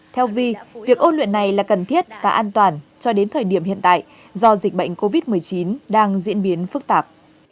theo vi việc ôn luyện này là cần thiết và an toàn cho đến thời điểm hiện tại do dịch bệnh covid một mươi chín đang diễn biến phức tạp